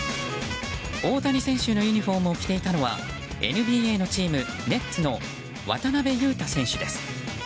大谷選手のユニホームを着ていたのはＮＢＡのチームネッツの渡邊雄太選手です。